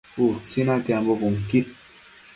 Utsi natiambo bunquid